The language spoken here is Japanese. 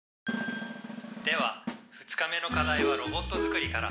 「では２日目の課題はロボットづくりから。